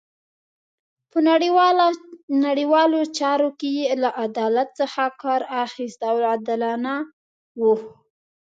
په نړیوالو چارو کې یې له عدالت څخه کار اخیست او عادلانه وو.